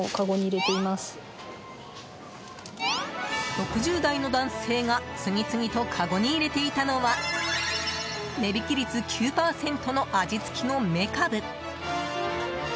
６０代の男性が次々とかごに入れていたのは値引き率９％の味付きのめかぶ。